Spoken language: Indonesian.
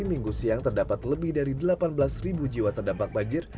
minggu siang terdapat lebih dari delapan belas ribu jiwa terdampak banjir